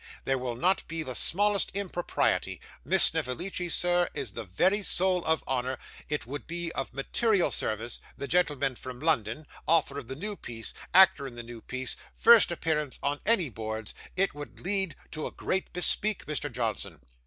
There will not be the smallest impropriety Miss Snevellicci, sir, is the very soul of honour. It would be of material service the gentleman from London author of the new piece actor in the new piece first appearance on any boards it would lead to a great bespeak, Mr. Johnson.